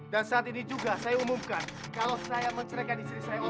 dan saat ini juga saya umumkan kalau saya mencerahkan istri saya olga